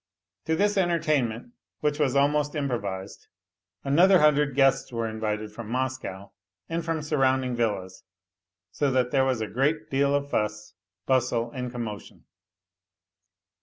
To this entertainment, which vf&t almost improvised, another hundred guests were invited froir Moscow and from surrounding villas, so that there was a greal deal of fuss, bustle and commotion.